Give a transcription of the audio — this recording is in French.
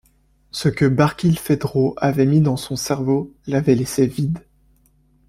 Ce que Barkilphedro avait mis dans son cerveau l’avait laissé vide.